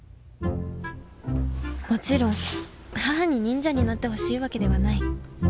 もちろん母に忍者になってほしいわけではない。